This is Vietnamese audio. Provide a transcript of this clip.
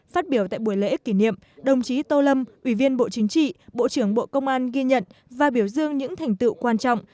phát biểu tại buổi lễ kỷ niệm đồng chí tô lâm ủy viên bộ chính trị bộ trưởng bộ công an ghi nhận và biểu dương những thành tựu quan trọng